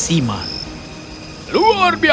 dia menari dengan indah sehingga semua orang terkesima